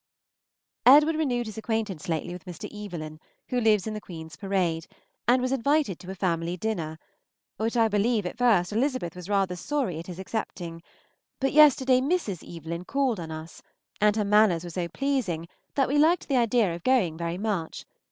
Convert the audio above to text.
Edward renewed his acquaintance lately with Mr. Evelyn, who lives in the Queen's Parade, and was invited to a family dinner, which I believe at first Elizabeth was rather sorry at his accepting; but yesterday Mrs. Evelyn called on us, and her manners were so pleasing that we liked the idea of going very much.